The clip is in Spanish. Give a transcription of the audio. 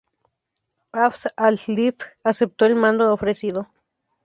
Abd al-Latif aceptó el mando ofrecido.